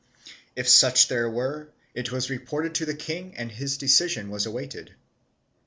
If such there were it was reported to the king and his decision was awaited.